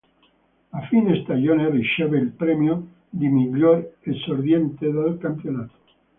A fine stagione riceve il premio di miglior esordiente del campionato.